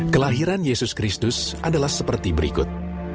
kelahiran yesus kristus adalah seperti berikut